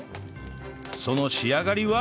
その仕上がりは？